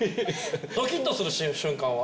ドキッとする瞬間は？